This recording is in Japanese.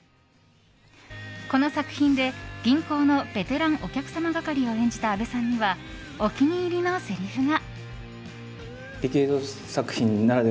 この作品で銀行のベテランお客様係を演じた阿部さんにはお気に入りのせりふが。